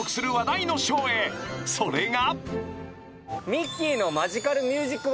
［それが］